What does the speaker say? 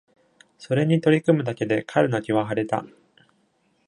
それに取り組むだけで彼の気は晴れた。